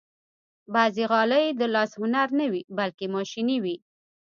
بعضې غالۍ د لاس هنر نه وي، بلکې ماشيني وي.